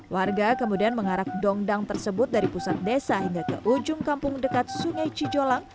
warga kemudian mengarak dongdang tersebut dari pusat desa hingga ke ujung kampung dekat sungai cijolang